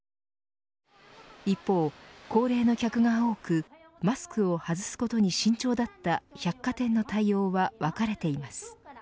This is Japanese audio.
一方、高齢の客が多くマスクを外すことに慎重だった百貨店の対応は分かれています。